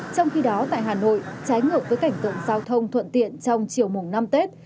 trong khi đó tại hà nội trái ngược với cảnh tượng giao thông thuận tiện trong chiều mùng năm tết